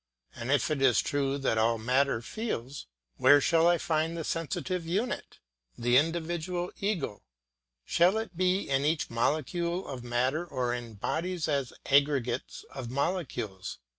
But if it is true that all matter feels, where shall I find the sensitive unit, the individual ego? Shall it be in each molecule of matter or in bodies as aggregates of molecules?